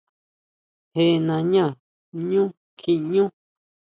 ¿Jé nañá ʼñú kjiñú?